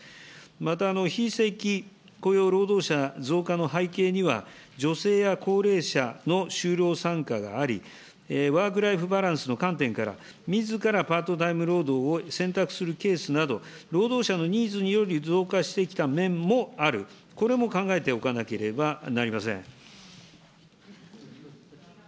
また、非正規雇用労働者増加の背景には、女性や高齢者の就労参加があり、ワークライフバランスの観点から、みずからパートタイム労働を選択するケースなど、労働者のニーズにより増加してきた面もある、これも考えておかなければなりません。